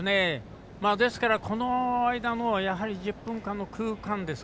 ですから、この間の１０分間の空間。